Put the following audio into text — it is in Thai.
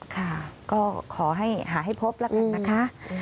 ค่ะก็ขอให้หาให้พบแล้วกันนะคะ